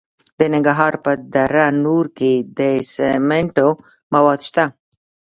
د ننګرهار په دره نور کې د سمنټو مواد شته.